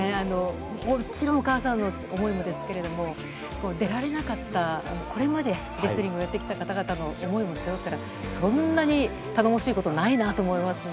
もちろんお母さんの思いもですけど出られなかったこれまでレスリングをやってきた方々の思いも背負ったらそんなに頼もしいことはないなと思いますね。